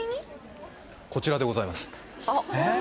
こちらでございます・あっ本物？